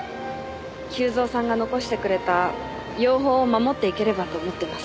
久造さんが残してくれた養蜂を守っていければと思ってます。